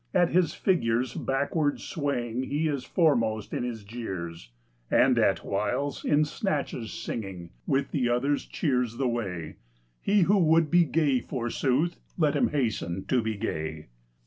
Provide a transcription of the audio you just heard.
At his figure's backward swaying He is foremost in his jeers ; And at whiles, in snatches singing With the others, cheers the way : He who would be gay, forsooth. Let him hasten to be gay.